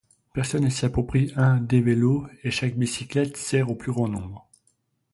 Personne ne s'approprie un des vélos et chaque bicyclette sert au plus grand nombre.